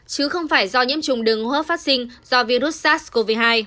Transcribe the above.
chứ không phải do nhiễm trùng đường hốp phát sinh do virus sars cov hai